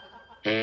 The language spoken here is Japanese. え